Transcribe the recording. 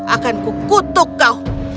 akanku kutuk kau